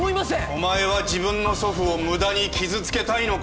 お前は自分の祖父をムダに傷つけたいのか？